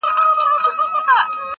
زما دي وینه تر هغه زلمي قربان سي!!